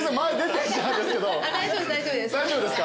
大丈夫です。